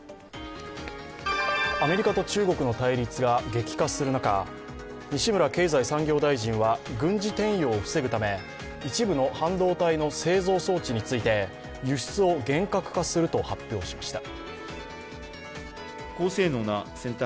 アメリカと中国の対立が激化する中、西村経済産業大臣は軍事転用を防ぐため一部の半導体の製造装置について輸出を厳格化すると発表しました。